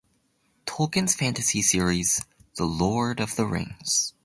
Tolkien's fantasy series, "The Lord of the Rings".